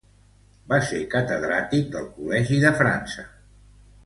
Va ser catedràtic del Col·legi de França.